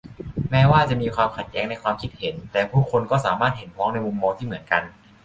แม้ว่าจะมีความขัดแย้งในความคิดเห็น แต่ผู้คนก็สามารถเห็นพ้องในมุมมองที่เหมือนกัน